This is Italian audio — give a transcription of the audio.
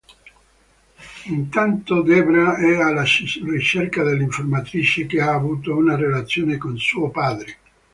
Intanto Debra è alla ricerca dell'informatrice che ha avuto una relazione con suo padre.